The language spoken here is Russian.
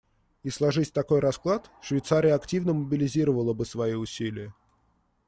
И сложись такой расклад, Швейцария активно мобилизовала бы свои усилия.